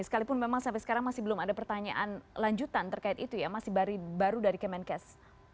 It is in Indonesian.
sekalipun memang sampai sekarang masih belum ada pertanyaan lanjutan terkait itu ya masih baru dari kemenkes